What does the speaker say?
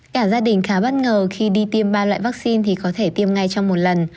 cả gia đình khá bất ngờ khi đi tiêm ba loại vaccine thì có thể tiêm ngay trong một lần